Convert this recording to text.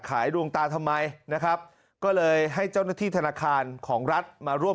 ดวงตาทำไมนะครับก็เลยให้เจ้าหน้าที่ธนาคารของรัฐมาร่วม